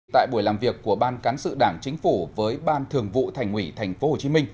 tại buổi làm việc của ban cán sự đảng chính phủ với ban thường vụ thành ủy tp hcm